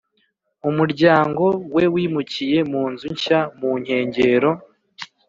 umuryango we wimukiye mu nzu nshya mu nkengero